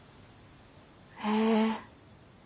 へえ。